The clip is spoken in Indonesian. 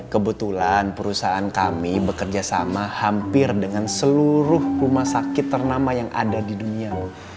kebetulan perusahaan kami bekerja sama hampir dengan seluruh rumah sakit ternama yang ada di dunia